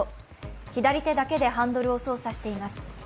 左手だけでハンドルを操作しています。